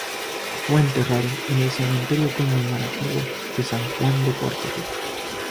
Fue enterrado en el Cementerio Conmemorativo de San Juan de Puerto Rico.